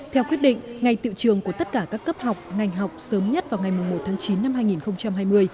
theo quyết định ngày tiệu trường của tất cả các cấp học ngành học sớm nhất vào ngày một tháng chín năm hai nghìn hai mươi